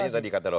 saya kembali dulu